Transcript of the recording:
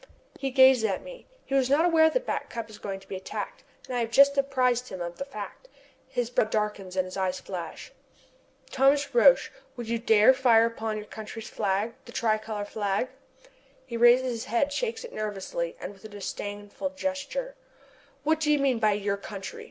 He gazes at me. He was not aware that Back Cup is going to be attacked, and I have just apprised him of the fact. His brow darkens and his eyes flash. "Thomas Roch, would you dare to fire upon your country's flag the tricolor flag?" He raises his head, shakes it nervously, and with a disdainful gesture: "What do you mean by 'your country?'